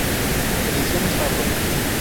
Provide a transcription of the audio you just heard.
Ediciones Fabro.